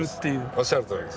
おっしゃるとおりです。